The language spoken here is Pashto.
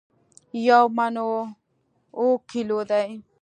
یو من اوو کیلو دي